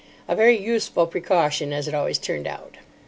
A very useful precaution, as it always turned out.